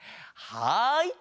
はい！